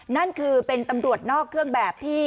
นั่นคือเป็นตำรวจนอกเครื่องแบบที่